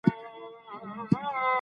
پاکیزه ویلي وو چې ستونزې زیاتې شوې.